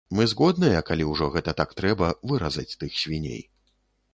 Мы згодныя, калі ўжо гэта так трэба, выразаць тых свіней.